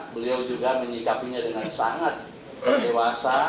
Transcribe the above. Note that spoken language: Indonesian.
beliau juga menyikapinya dengan sangat dewasa